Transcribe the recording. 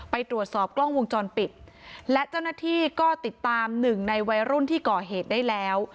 ไปตรวจสอบกล้องวงจรปิดและเจ้าหน้าที่ก็ติดตามหนึ่งในวัยรุ่นที่ก่อเหตุได้แล้ว